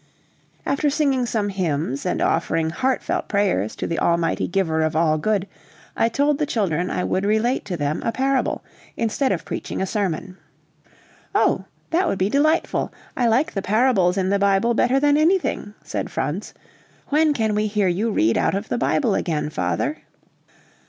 After singing some hymns and offering heartfelt prayers to the Almighty giver of all good, I told the children I would relate to them a parable instead of preaching a sermon. "Oh, that would be delightful! I like the parables in the Bible better than anything," said Frank. "When can we hear you read out of the Bible again, father?"